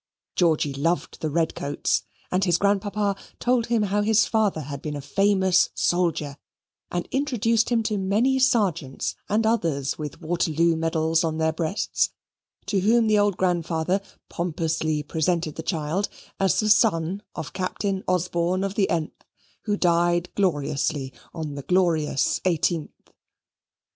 Georgy loved the redcoats, and his grandpapa told him how his father had been a famous soldier, and introduced him to many sergeants and others with Waterloo medals on their breasts, to whom the old grandfather pompously presented the child as the son of Captain Osborne of the th, who died gloriously on the glorious eighteenth.